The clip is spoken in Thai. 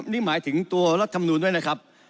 นี่หมายถึงตัวรัฐธรรมนูลด้วยนะครับ